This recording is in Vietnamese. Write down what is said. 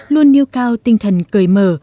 luôn nêu cao tinh thần cởi mở